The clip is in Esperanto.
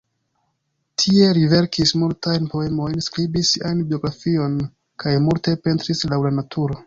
Tie li verkis multajn poemojn, skribis sian biografion kaj multe pentris laŭ la naturo.